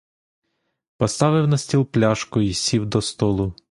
Поставив на стіл пляшку й сів до столу.